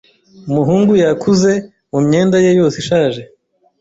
Umuhungu yakuze mumyenda ye yose ishaje.